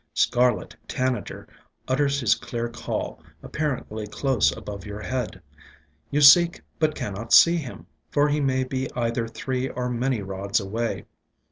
Scar let Tanager utters his clear call, apparently close above your head. You seek but cannot see him, for he may be either three or many rods away.